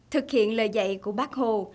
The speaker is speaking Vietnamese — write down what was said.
thực hiện lời dạy của bác hồ